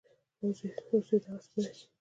اوس دې دغه سپي